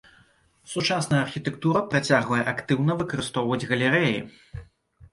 Сучасная архітэктура працягвае актыўна выкарыстоўваць галерэі.